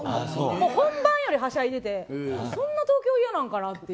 本番よりはしゃいでいてそんな、東京嫌なんかなって。